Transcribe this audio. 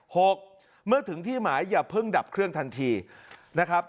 หกเมื่อถึงที่หมายอย่าเพิ่งดับเครื่องทันทีนะครับ